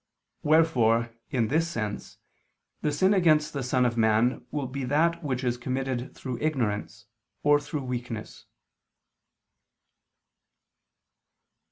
Wherefore, in this sense, the sin against the Son of Man will be that which is committed through ignorance, or through weakness.